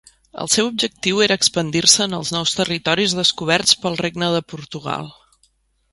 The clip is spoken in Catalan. El seu objectiu era expandir-se en els nous territoris descoberts pel Regne de Portugal.